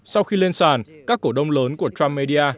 sau khi lên sàn các cổ đông lớn của trump media